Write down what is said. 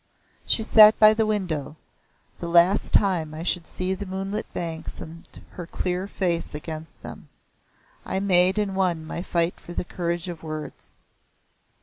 She sat by the window the last time I should see the moonlit banks and her clear face against them. I made and won my fight for the courage of words.